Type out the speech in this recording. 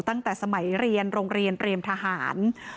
ตั้งแต่สมัยเรียนโรงเรียนเตรียมทหาร